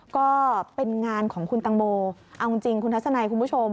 ก็เป็นงานของคุณตังโมเอาจริงคุณทัศนัยคุณผู้ชม